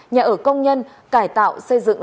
nhà ở công nhân cải tạo xây dựng